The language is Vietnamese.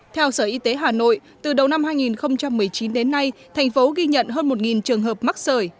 theo sở y tế hà nội từ đầu năm hai nghìn một mươi chín đến nay thành phố ghi nhận hơn một trường hợp mắc sởi